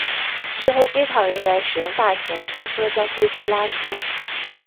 最后机场人员使用大型拖车将飞机拉出。